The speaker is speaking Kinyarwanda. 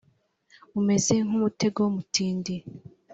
umeze nk umutego mutindi